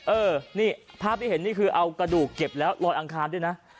เออนี่ภาพที่เห็นนี่คือเอากระดูกเก็บแล้วลอยอังคารด้วยนะ